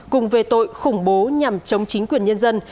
cùng về tội khủng bố nhằm chống chính quyền nhân dân